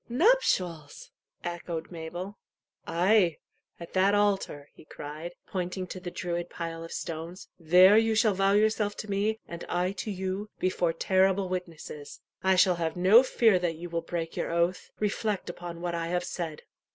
"Nuptials!" echoed Mabel. "Ay, at that altar," he cried, pointing to the Druid pile of stones; "there you shall vow yourself to me and I to you, before terrible witnesses. I shall have no fear that you will break your oath. Reflect upon what I have said."